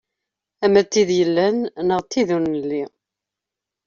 Ama d tid yellan, neɣ d tid ur nelli.